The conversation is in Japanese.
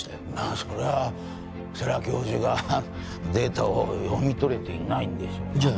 そりゃ世良教授がデータを読み取れていないんでしょうなじゃ